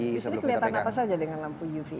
di sini kelihatan apa saja dengan lampu uv ini